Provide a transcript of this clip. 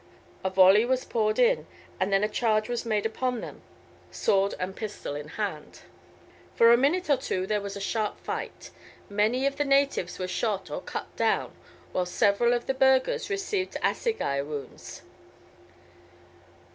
A volley was poured in, and then a charge was made upon them, sword and pistol in hand. For a minute or two there was a sharp fight. Many of the natives were shot or cut down, while several of the burghers received assegai wounds.